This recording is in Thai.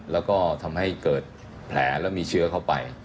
แล้วก็ทำให้เกิดแผลแล้วมีเชื้อเข้าไป